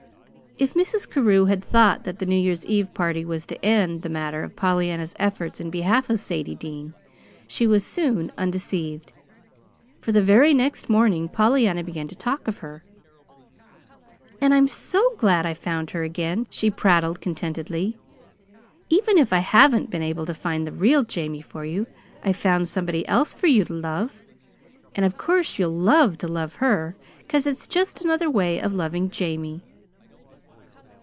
If Mrs. Carew had thought that the New Year's Eve party was to end the matter of Pollyanna's efforts in behalf of Sadie Dean, she was soon undeceived; for the very next morning Pollyanna began to talk of her. "And I'm so glad I found her again," she prattled contentedly. "Even if I haven't been able to find the real Jamie for you, I've found somebody else for you to love and of course you'll love to love her, 'cause it's just another way of loving Jamie."